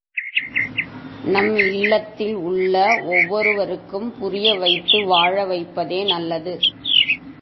நம் இல்லத்தில் உள்ள ஒவ்வொருவருக்கும் புரியவைத்து—வாழ வைப்பதே நல்லது.